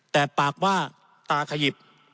แต่ปากว่าตาขยิบ